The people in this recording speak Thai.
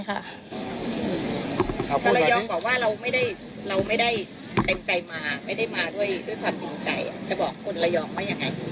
จะบอกคนระยองไว้ยังไง